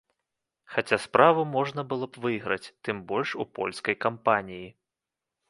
Хаця справу можна было б выйграць, тым больш у польскай кампаніі.